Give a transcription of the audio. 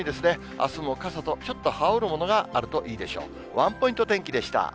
あすも傘とちょっと羽織るものがあるといいでしょう。